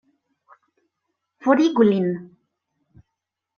Forigu lin!